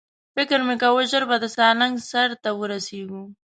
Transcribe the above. فکر مې کاوه ژر به د سالنګ سر ته ورسېږو.